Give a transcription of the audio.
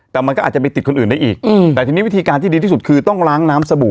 แต่มันก็อาจจะไปติดคนอื่นได้อีกแต่ทีนี้วิธีการที่ดีที่สุดคือต้องล้างน้ำสบู่